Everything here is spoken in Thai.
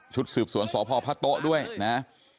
ชุดสืบสวนสอพพด้วยนะฮะ